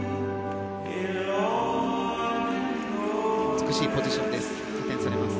美しいポジションです。